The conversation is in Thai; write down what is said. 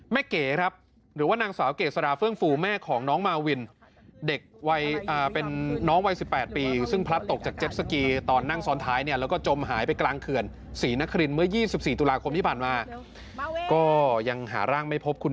แม่เก๋ครับหรือว่านางสาวเก๋สราเฟื้องฟูแม่ของน้องมาลวิน